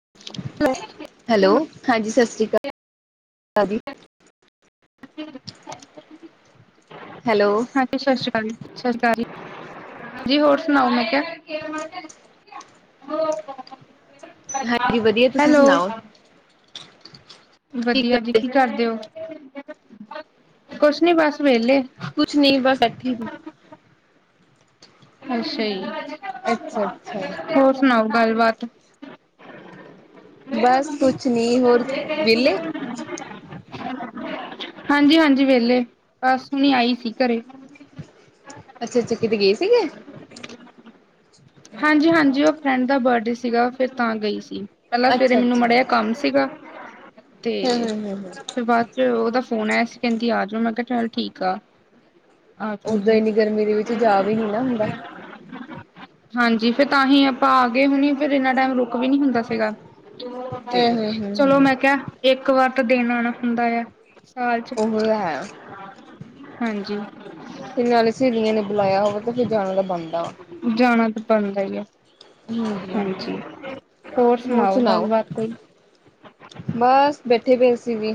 ਹ। [inaudible] ਹੈਲੋ। ਹਾਂਜੀ, ਸਤਿ ਸ੍ਰੀ ਅਕਾਲ। ਜੀ ਜ। [inaudible] ਹੈਲੋ। ਸਤਿ ਸ੍ਰੀ ਅਕਾਲ ਜੀ, ਸਤਿ ਸ਼੍ਰੀ ਅਕਾਲ ਜੀ, ਜੀ, ਹੋਰ ਸੁਣਾਓ? ਮੈਂ, ਕਿਹਾ। ਹਾਂਜੀ ਵਧੀਆ ਤੁਸੀਂ ਹੈਲੋ। ਸੁਣਾਓ ਵਧੀਆ ਜੀ, ਕੀ ਕਰਦੇ ਹੋ? ਕੁਛ ਨੀ ਬਸ ਵੇਹਲੇ। ਕੁਛ ਨੀ, ਬਸ ਬੈਠੀ ਸੀ। ਅੱਛਾ ਜੀ। ਅੱਛਾ ਅੱਛਾ ਹੋਰ ਸੁਣਾਓ ਗੱਲਬਾਤ? ਬਸ ਕੁਛ ਨੀ ਹੋਰ ਵਿਹਲੇ [unintelligible] ਹਾਂਜੀ ਹਾਂਜੀ ਵਹਲੇ, ਬਸ ਹੁਣੀ ਆਈ ਸੀ ਘਰੇ। ਅੱਛਾ-ਅੱਛਾ ਕਿਤੇ ਗਏ ਸੀਗੇ ਹਾਂਜੀ-ਹਾਂਜੀ ਉਹ ਫਰੈਂਡ ਦਾ ਬਰਡੇ ਸੀਗਾ ਫਿਰ ਤਾਂ ਗਈ ਸੀ ਪਹਿਲਾਂ ਸਵੇਰੇ ਅੱਛਾ ਮੈਨੂੰ ਅੱਛਾ ਮਾੜਾ ਜਿਹਾ ਕੰਮ ਸੀਗਾ ਤੇ ਹਮ ਹਮ ਹਮ ਹਮ ਫਿਰ ਬਾਅਦ ਚ ਉਹਦਾ ਫੋਨ ਆਇਆ ਸੀਂ ਕਹਿੰਦੀ ਆ ਜਾਓ ਮੈਂ ਕਿਹਾ ਚੱਲ ਠੀਕ ਆ ਆ ਓਦਾ ਜਾਊਗੀ ਇੰਨੀ ਗਰਮੀ ਦੇ ਵਿੱਚ ਜਾ ਵੀ ਨੀ ਨਾ ਹੁੰਦਾ ਹਾਂਜੀ ਫੇਰ ਤਾਂ ਹੀ ਆਪਾਂ ਆ ਗਏ ਹੁਣੀ ਫੇਰ ਇਨਾ ਟਾਈਮ ਰੁੱਕ ਵੀ ਨਹੀਂ ਹੁੰਦਾ ਸੀਗਾ ਹਮ ਹਮ ਹਮ ਚਲੋ ਹਮ ਮੈਂ ਕਿਹਾ ਇੱਕ ਵਾਰ ਤਾਂ ਦਿਨ ਆਣਾ ਹੁੰਦਾ ਆ ਸਾਲ ਚ ਉਹ ਹੈ ਹਾਂਜੀ ਨਾਲੇ ਸਹੇਲੀਆਂ ਨੇ ਬੁਲਾਇਆ ਹੋਵੇ ਤੇ ਫੇਰ ਜਾਣਾ ਤਾਂ ਬਣਦਾ ਵਾ ਜਾਣਾ ਤਾਂ ਬਣਦਾ ਹੀ ਆ ਹਾਂਜੀ ਹੋਰ ਸੁਣਾਓ ਗੱਲਬਾਤ ਕੋਈ ਬਸ ਬੈਠੇ ਪਏ ਅਸੀ ਵੀ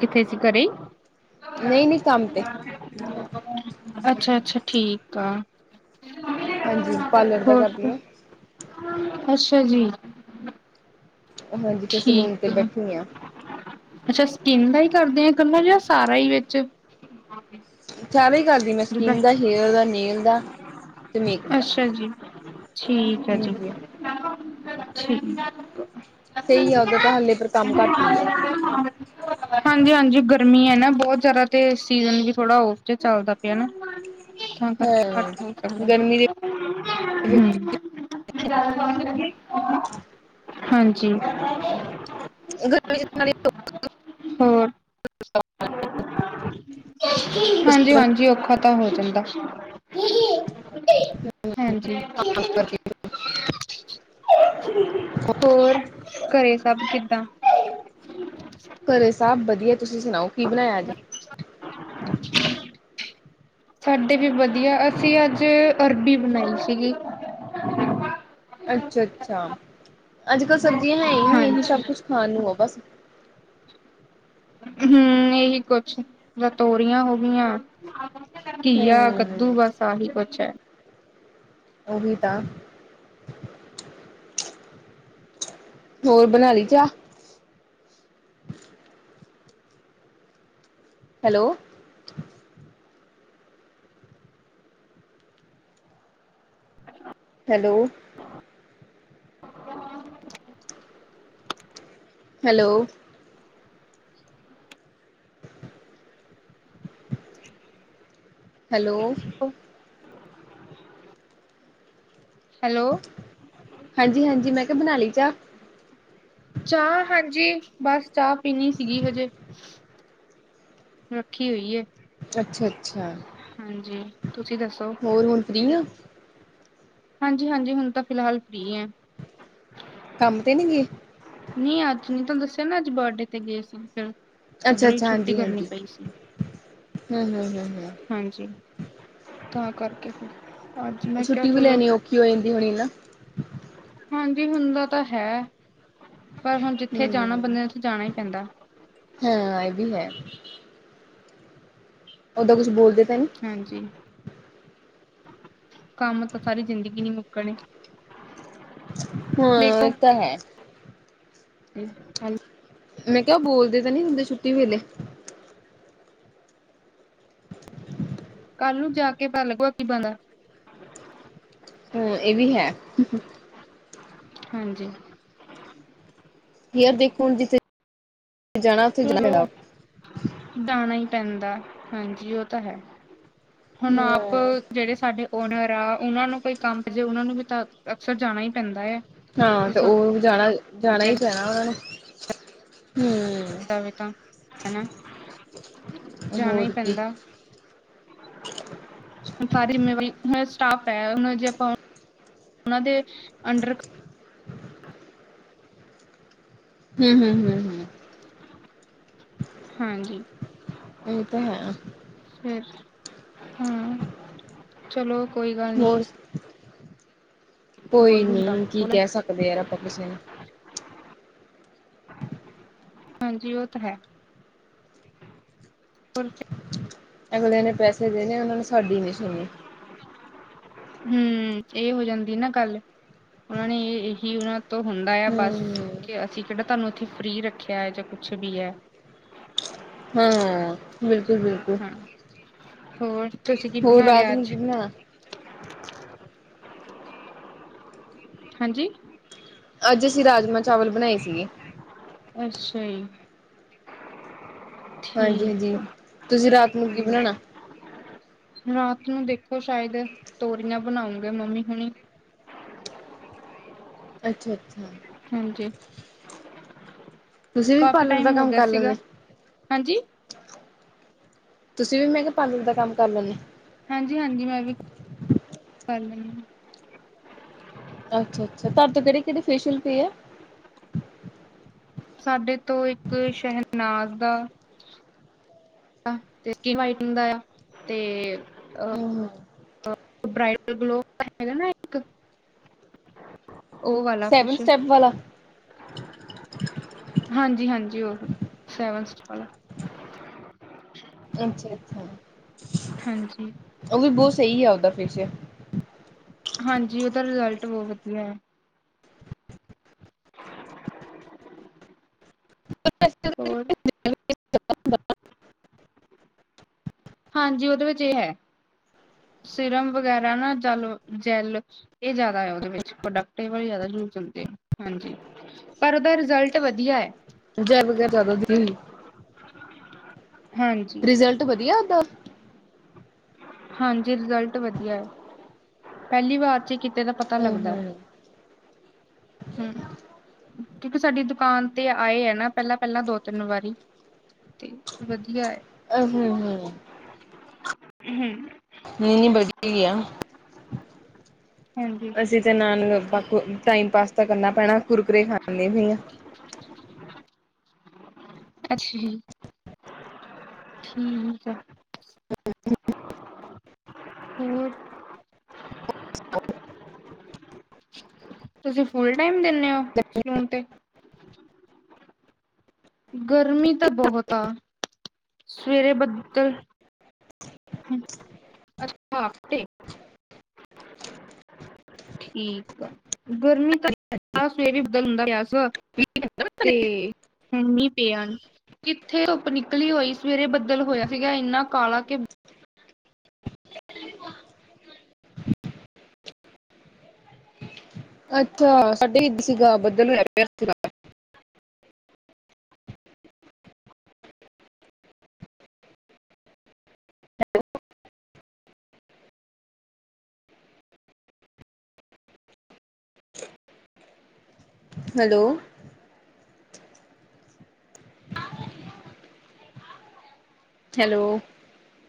ਕਿੱਥੇ ਸੀ ਘਰੇ ਈ ਨਹੀਂ ਨਹੀਂ ਕੰਮ ਤੇ ਅੱਛਾ ਅੱਛਾ, ਠੀਕ ਆ। ਹਾਂਜੀ ਪਾਰਲਰ ਦਾ ਹੋਰ ਕਰਦੀ ਆ। ਅੱਛਾ ਜੀ। ਹਾਂਜੀ ਫਿਰ ਸਲੂਨ ਤੇ ਠੀਕ ਬੈਠੀ ਆ। ਅੱਛਾ ਸਕਿੰਨ ਦਾ ਹੀ ਕਰਦੇ ਹ, ਇਕੱਲਾ ਜਾਂ ਸਾਰਾ ਹੀ ਵਿੱਚ। ਹਾਂ ਸਾਰਾ ਹੀ ਕਰਦੀ ਮੈਂ ਜਿੱਦਾਂ ਸਕਿੰਨ ਦਾ, ਹੇਅਰ ਦਾ, ਨੇਲ ਦਾ ਤੇ ਮੇਕਅਪ ਦਾ ਅੱਛਾ ਜੀ ਠੀਕ ਹੈ ਜੀ ਹਾਂਜੀ। ਠੀਕ ਸਹੀ ਆ ਉਹਦਾ ਤਾਂ ਹਾਲੇ ਪਰ ਕੰਮ ਘੱਟ ਹੀ ਆ [inaudible] ਹਾਂਜੀ-ਹਾਂਜੀ ਗਰਮੀ ਹੈ ਨਾ ਬਹੁਤ ਜਿਆਦਾ ਤੇ ਸੀਜਨ ਵੀ ਥੋੜਾ ਔਫ ਚ ਚੱਲਦਾ ਤਾਂ ਕਰਕੇ ਘੱਟ ਨ ਹਾਂ ਕਰਦਾ [inaudible] ਗਰਮੀ ਦੇ ਹਾਂਜੀ ਹੋਰ [unintelligible] ਹਾਂਜੀ-ਹਾਂਜੀ ਔਖਾ ਤਾਂ ਹੋ ਜਾਂਦਾ ਹਾਂਜੀ ਹੋਰ ਘਰੇ ਸਭ ਕਿੱਦਾਂ ਘਰੇ ਸਭ ਵਧੀਆ ਤੁਸੀਂ ਸੁਣਾਓ ਕੀ ਬਣਾਇਆ ਅੱਜ? [unintelligible] ਸਾਡੇ ਵੀ ਵਧੀਆ ਅਸੀਂ ਅੱਜ ਅਰਬੀ ਬਣਾਈ ਸੀਗੀ [unintelligible] ਅੱਛਾ-ਅੱਛਾ ਅੱਜ ਕੱਲ੍ਹ ਸਬਜ਼ੀਆਂ ਹੈ ਹੀ ਨਹੀਂ ਇਹੀ ਹਾਂਜੀ ਸਭ ਕੁਛ ਖਾਣ ਨੂੰ ਹੋ ਬਸ ਹਮ ਇਹੀ ਕੁਛ ਜਾਂ ਤੋਰੀਆਂ ਹੋ ਗਈਆਂ ਘੀਆ, ਕੱਦੂ ਹੂੰ ਵਸ ਆਹੀ ਕੁੱਛ ਹੈ। ਉਹੀ ਤਾਂ ਹੋਰ ਬਨਾ ਲਈ ਚਾਹ hello hello hello hello hello ਹਾਂਜੀ-ਹਾਂਜੀ ਮੈਂ ਕਿਹਾ ਬਨਾਲੀ ਚਾਹ ਚਾਹ ਹਾਂਜੀ ਬਸ ਚਾਹ ਪੀਣੀ ਸੀਗੀ ਹਜੇ ਰੱਖੀ ਹੋਈ ਹੈ ਅੱਛਾ-ਅੱਛਾ ਹਾਂਜੀ, ਤੁਸੀਂ ਦੱਸੋ? ਹੋਰ ਹੁਣ ਫ੍ਰੀ ਹੋ? ਹਾਂਜੀ, ਹਾਂਜੀ ਹੁਨ ਤਾਂ ਫਿਲਹਾਲ ਫਰੀ ਐਂ। ਕੰਮ ਤੇ ਨੀ ਗਈ? ਨੀਂ ਅੱਜ ਨ ਤੁਹਾਨੂੰ ਦੱਸਿਆ ਨਾ ਅੱਜ ਬਰਡੇ ਤੇ ਗਏ ਸੀ, ਫਿਰ ਉੱਧਰੋਈਂ ਛੁੱਟੀ ਕਰਨੀ ਪਈ ਸੀ। ਹਮ, ਹਮ, ਹਮ, ਹਮ। ਹਾਂਜੀ, ਤਾਂ ਕਰਕੇ, ਫਿਰ ਅੱਜ ਮੈਂ ਕਿਹਾ ਛੁੱਟੀ ਵੀ ਚਲੋ ਲੈਨੀ, ਔਖੀ ਹੋਏਂਦੀ ਹੋਣੀ ਨਾ? ਹਾਂਜੀ, ਹੁੰਦਾ ਤਾ ਹੈ। ਪਰ ਹੁਣ ਜਿੱਥੇ ਜਾਣਾ ਹੂੰ ਬੰਦੇ ਨੇ ਉੱਥੇ ਜਾਣਾ ਈ ਪੈਂਦਾ। ਹਾਂ, ਇਹ ਵੀ ਹੈ। ਓਦਾਂ ਕੁਛ ਬੋਲਦੇ ਤਾਂ ਨੀ? ਹਾਂਜੀ। ਕਾਂਮ ਤਾਂ ਸਾਰੀ ਜ਼ਿੰਦਗੀ ਨੀਂ ਮੁੱਕਣੇ। ਹਾਂ, ਇਹ ਤਾਂ ਹੈ। ਅਤੇ ਕੱਲ [unintelligible] ਮੈਂ ਕਿਹਾ ਉਹ ਬੋਲਦੇ ਤਾਂ ਨੀ ਹੁੰਦੇ, ਛੁੱਟੀ ਵੇਲੇ? ਕੱਲ ਨੂੰ ਜਾ ਕੇ ਪਤਾ ਲੱਗਗਾ ਕੀ ਬਦਾ [unintelligible] ਹਮ, ਇਹ ਵੀ ਹੈ। ਹਾਂਜੀ। ਯੇਅਰ ਦੇਖੋੁਣ ਜਿੱਥੇ [unintelligible] ਜਾਣਾ ਉੱਥੇ ਜਾਣਾ ਚਲੋ ਪੈਣਾ ਜਾਣਾਈ ਪੈਂਦਾ, ਹਾਂਜੀ ਓ ਤਾਂ ਹੈ। ਹੁਨ ਆਪ, ਹੂੰ ਜਿਹੜੇ ਸਾਡੇ ਓਨਰ ਆ, ਓਂਨਾਂ ਨੂੰ ਕੋਈ ਕੰਮ ਜੇ ਓਂਨਾਂ ਨੂੰ ਵੀ ਤਾਂ, ਅਕਸਰ ਜਾਣਾਈ ਪੈਂਦਾ ਐ। ਹਾਂ, ਤੇ ਉਹ ਜਾਣਾ-ਜਾਣਾ ਹੀ ਪੈਣਾ ਉਹਨਾਂ ਨੁੰ। ਹਮ ਜਾਵੇ ਤਾਂ, ਹਨਾ, ਹੂੰ ਜਾਨਾਈ ਹੋਰ ਕੀ ਪੈਂਦਾ। [unintelligible] ਸਾਰੀ ਸਟਾਫ ਹੈ ਜੇ ਆਪਾਂ ਉਹਨਾਂ ਦੇ ਅੰਡ [unintelligible] ਹਮ, ਹਮ, ਹਮ, ਹਮ। ਹਾਂਜੀ। ਇਹ ਤਾਂ ਹੈ। ਫਰ ਹਾਂ, ਚਲੋ ਕੋਈ ਗੱਲ ਨੀ। ਹੋਰ ਕੋਈ ਬੋਲੂ ਤਾਂ ਨੀ, ਕੀ ਬੋਲਣ ਕੈ ਸਕਦੇ ਯਾਰ ਆਪਾਂ ਕਿਸੇ ਨੂੰ। ਹਾਂਜੀ, ਉਹ ਤਾਂ ਹੈ। ਹੋਰ ਫ [inaudible] ਅਗਲੇਆਂ ਨੇ ਪੈਸੇ ਦੇਨੇ ਆ ਉਹਨਾਂ ਨੇ ਸਾਡੀ ਨੀਂ ਸੁਣਣੀ। ਹਮ, ਏ ਹੋ ਜਾਂਦੀ ਨਾ ਗੱਲ। ਉਹਨਾਂ ਨੇ ਹੀ ਉਹਨਾਂ ਤੋਂ ਹੁੰਦਾ ਆ ਬਸ ਹੂੰ, ਕਿ ਅਸੀਂ ਕਿਹੜਾ ਤੁਹਾਨੂੰ ਇੱਥੇ ਫਰੀ ਰੱਖਿਆ ਹੈ ਜਾਂ ਕੁਛ ਵੀ ਹੈ ਹਾਂ ਬਿਲਕੁਲ ਬਿਲਕੁਲ ਹਾਂ ਹੋਰ ਤੁਸੀਂ ਕੀ ਹੋਰ ਬਣਾ ਰਾਤ ਲਿਆ ਨੂੰ ਅੱਜ ਕਿਨਾ ਹਾਂਜੀ ਅੱਜ ਅਸੀਂ ਰਾਜਮਾਂ ਚਾਵਲ ਬਣਾਏ ਸੀਗੇ ਅੱਸ਼ਾ ਈ। ਹਾਂਜੀ ਜੀ, ਤੁਸੀਂ ਰਾਤ ਨੂਂ ਕੀ ਬਣਾਣਾ? ਰਾਤ ਨੂੰ ਦੇਖੋ ਸ਼ਾਇਦ, ਤੋਰੀਆਂ ਬਣਾਉਂਣਗੇ ਮੰਮੀ ਹੁਣੀ। ਅੱਛਾ, ਅੱਛਾ। ਹਾਂਜੀ। ਤੁਸੀਂ ਵੀ ਕਾਫੀ ਪਾਰਲਰ ਦਾ ਟਾਈਮ ਹੋ ਕੰਮ ਗਿਆ ਕਰ ਲੈਂਦੇ? ਸੀਗਾ ਹਾਂਜੀ ਤੁਸੀਂ ਵੀ ਮੈਂ ਕਿਹਾ ਪਾਰਲਰ ਦਾ ਕੰਮ ਕਰ ਲੈਂਦੇ? ਹਾਂਜੀ ਹਾਂਜੀ ਮੈਂ ਵੀ, ਕਰ ਲੈਂਦੀ ਹਾਂ। ਅੱਛਾ ਅੱਛਾ ਤੁਹਾੇ ਤੋਂ ਕਿਹੜੇ ਕਿੜ ਫੇੀਅਲ ਪਏ ਆ [unintelligible] ਸਾਡੇ ਤੋਂ ਇੱਕ ਸ਼ਹਿਨਾਜ਼ ਦਾ ਤੇਿੰਗ ਵਾਈਟਿੰਗ ਦਾ ਆ ਤੇ [unintelligible] ਹੂ,,, ਸਪਰੈਡ ਗਲੋ ਕਰ ਕੇ ਨਾ ਇੱਕ ਉਹ ਵਾਲਾ ਸੈਵਨ ਕੁਛ ਸਟੈਪ ਵਾਲਾ [unintelligible] ਹਾਂਜੀ ਹਾਂਜੀ ਉਹ ਸੇਵਨ ਸਟਾਰ ਅੱਛਾ- ਅੱਛਾ ਹਾਂਜੀ ਉਹ ਵੀ ਬਹੁਤ ਸਹੀ ਆ ਉਹਦਾ ਫਿਰਸ਼ ਹਾਂਜੀ ਉਹਦਾ ਰਿਜ਼ਲਟ ਬਹੁਤ ਵਧੀਆ ਹੈ ਹੋਰ ਹਾਂਜੀ ਉਹਦੇ ਵਿੱਚ ਇਹ ਹੈ ਸਿਰਮ ਵਗੈਰਾ ਨਾ ਜਲ ਜੈਲ ਇਹ ਜ਼ਿਆਦਾ ਹੈ ਉਹਦੇ ਵਿੱਚ ਪ੍ਰੋਡਕਟ ਵਾਲ ਜ਼ਿਆਦਾ ਯੂਜ ਹੁੰਦੇ ਆ ਹਾਂਜੀ ਪਰ ਉਹਦਾ ਰਿਜ਼ਲਟ ਵਧੀਆ ਹੈ ਜੈ ਬਗੈਰ ਜ਼ਿਆਦਾ ਦੀਈ ਹਾਂਜੀ ਰਿਜ਼ਲਟ ਵਧੀਆ ਆਂਦਾ ਹਾਂਜੀ ਰਿਜ਼ਲਟ ਵਧੀਆ ਹੈ ਪਹਿਲੀ ਵਾਰ ਚ ਕਿਤੇ ਦਾ ਪਤਾ ਹੂੰ ਲੱਗਦਾ ਹੈ ਹੂੰ ਹੂ ਕਿਉਂਕਿ ਸਾਡੀ ਦੁਕਾਨ ਤੇ ਆਏ ਹੈ ਨਾ ਪਹਿਲਾਂ ਪਹਿਲਾਂ ਦੋ ਤਿੰਨ ਵਾਰੀ ਤੇ ਵਧੀਆ ਹੈ [unintelligible] ਹੂ,,, ਨੈਨੀ ਬੜੀ ਗਿਆ ਹਾਂਜੀ ਅਸੀਂ ਤੇ ਨਾਲ ਟਾਈਮ ਪਾਸ ਤਾਂ ਕਰਨਾ ਪੈਣਾ ਕੁਰਕਰੇੇ ਖਾਣ ਲਈ ਪਏ ਆ [unintelligible] ਅੱਛਾ ਜੀ ਠੀਕ ਆ ਹੋਰ ਤੁਸੀਂ ਫੁੱਲ ਟਾਈਮ ਦਿੰਦੇ ਹੋ ਸਲੂਨ ਤੇ ਗਰਮੀ ਤਾਂ ਬਹੁਤ ਆ ਸਵੇਰੇ ਬੱਦਲ ਅੱਛਾ ਤੇ ਠੀਕ ਆ ਗਰਮੀ ਤਾਂ ਸਵੇਰ ਵੀ ਬਦਲ ਹੁੰਦਾ ਸੀਗਾ ਤੇ ਮੀਹ ਪਿਆ ਕਿੱਥੇ ਧੁੱਪ ਨਿਕਲੀ ਹੋਈ ਸਵੇਰੇ ਬੱਦਲ ਹੋਇਆ ਸੀਗਾ ਇੰਨਾ ਕਾਲਾ ਕਿ ਅੱਛਾ ਸਾਡੇ ਇੱਦਰ ਸੀਗਾ ਬੱਦਲ ਹੋਇਆ ਪਾਇਆ ਸੀਗਾ ਹੈਲੋ ਹੈਲੋ